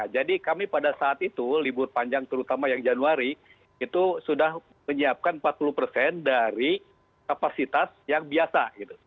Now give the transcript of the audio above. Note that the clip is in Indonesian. jadi kami pada saat itu libur panjang terutama yang januari itu sudah menyiapkan empat puluh persen dari kapasitas yang biasa